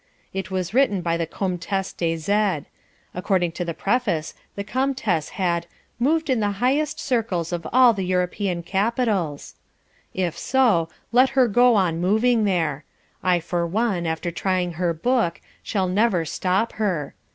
It was written by the Comtesse de Z . According to the preface the Comtesse had "moved in the highest circles of all the European capitals." If so, let her go on moving there. I for one, after trying her book, shall never stop her.